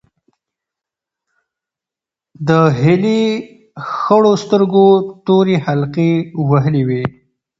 د هیلې خړو سترګو تورې حلقې وهلې وې.